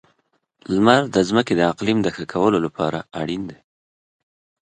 • لمر د ځمکې د اقلیم د ښه کولو لپاره اړینه ده.